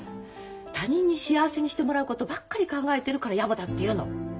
他人に幸せにしてもらうことばっかり考えてるからやぼだっていうの！